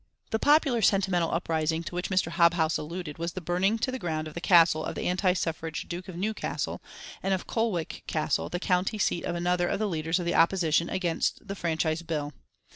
The "popular sentimental uprising" to which Mr. Hobhouse alluded was the burning to the ground of the castle of the anti suffrage Duke of Newcastle, and of Colwick Castle, the country seat of another of the leaders of the opposition against the franchise bill.